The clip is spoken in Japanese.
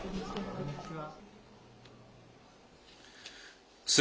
こんにちは。